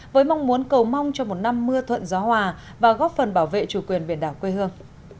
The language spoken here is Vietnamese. với mong muốn cầu mong cho một năm mưa thuận gió hòa và góp phần bảo vệ chủ quyền biển đảo quê hương